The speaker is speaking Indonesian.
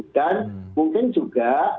dan mungkin juga